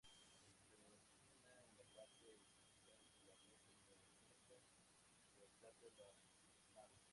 Se origina en la parte cubital de la "red venosa dorsal de la mano".